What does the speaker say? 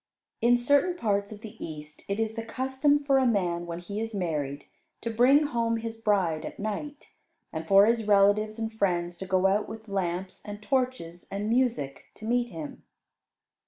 In certain parts of the East it is the custom for a man when he is married to bring home his bride at night, and for his relatives and friends to go out with lamps and torches and music to meet him.